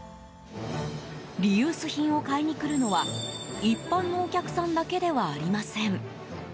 リユース品を買いにくるのは一般のお客さんだけではありません。